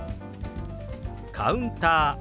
「カウンター」。